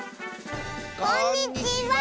こんにちは！